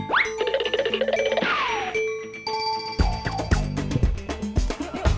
pengen kembali ke tempat yang lain